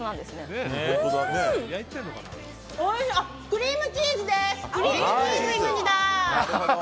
クリームチーズです！